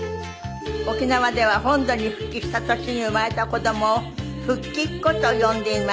沖縄では本土に復帰した年に生まれた子供を復帰っ子と呼んでいました。